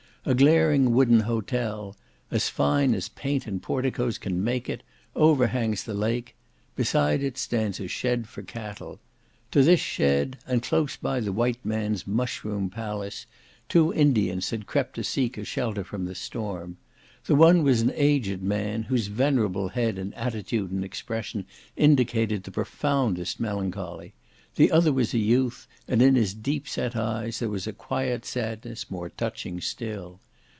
A glaring wooden hotel, as fine as paint and porticos can make it, overhangs the lake; beside it stands a shed for cattle. To this shed, and close by the white man's mushroom palace, two Indians had crept to seek a shelter from the storm. The one was an aged man, whose venerable head in attitude and expression indicated the profoundest melancholy: the other was a youth, and in his deep set eye there was a quiet sadness more touching still.